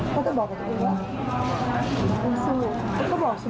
ความรักมันอยู่ในในใจเสมอ